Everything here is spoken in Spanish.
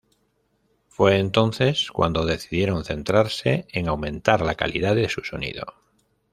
Fue entonces cuando decidieron centrarse en aumentar la calidad de su sonido.